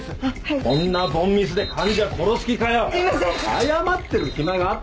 謝ってる暇があったらな。